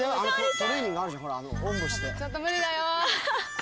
トレーニングあるじゃんほらおんぶしてちょっと無理だよ